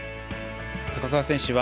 高桑選手は